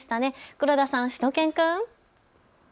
黒田さん、しゅと犬くん。